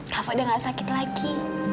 kava udah gak sakit lagi